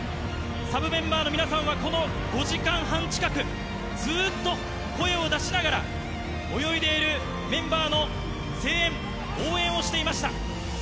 サブメンバーの皆さんは、この５時間半近く、ずっと声を出しながら、泳いでいるメンバーの声援、応援をしていました。